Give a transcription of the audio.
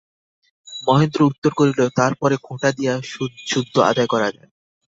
মহেন্দ্র উত্তর করিল, তার পরে খোঁটা দিয়া সুদসুদ্ধ আদায় করা যায়।